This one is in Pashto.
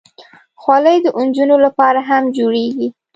خولۍ د نجونو لپاره هم جوړېږي.